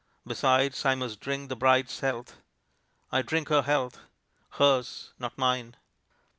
Besides, I must drink the bride's health. I drink her health; hers, not mine.